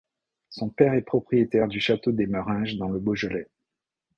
Son père est propriétaire du château d'Émeringes dans le Beaujolais.